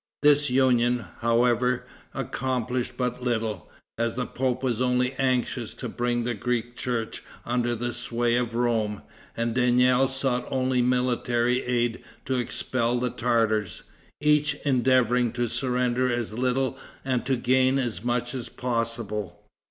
This union, however, accomplished but little, as the pope was only anxious to bring the Greek church under the sway of Rome, and Daniel sought only military aid to expel the Tartars; each endeavoring to surrender as little and to gain as much as possible.